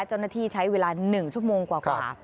เจ้าหน้าที่ใช้เวลา๑ชั่วโมงกว่า